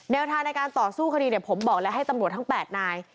ทางในการต่อสู้คดีเนี่ยผมบอกแล้วให้ตำรวจทั้ง๘นาย